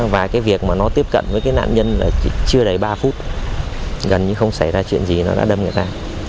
và việc nó tiếp cận với nạn nhân là chưa đầy ba phút gần như không xảy ra chuyện gì nó đã đâm người ta